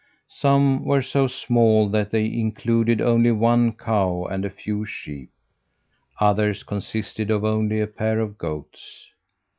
Some were so small that they included only one cow and a few sheep; others consisted of only a pair of goats.